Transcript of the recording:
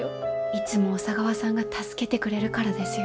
いつも小佐川さんが助けてくれるからですよ。